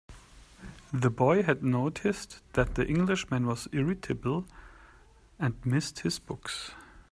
The boy had noticed that the Englishman was irritable, and missed his books.